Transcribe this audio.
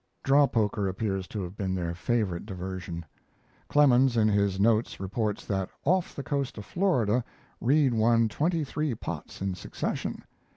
Draw poker appears to have been their favorite diversion. Clemens in his notes reports that off the coast of Florida Reed won twenty three pots in succession.